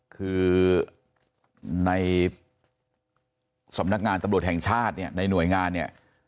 คือในสำนักงานตำรวจแห่งชาติเนี่ยในหน่วยงานเนี่ย